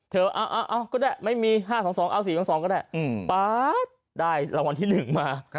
เธอเอาก็ได้ไม่มี๕๒๒เอา๔๒๒ก็ได้ป๊าดได้รางวัลที่๑มา